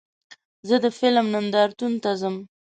زه د فلم نندارتون ته ځم.